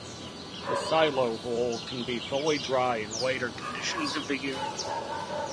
The silo hole can be fully dry in later conditions of the year.